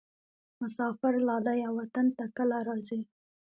مسافر لالیه وطن ته کله راځې؟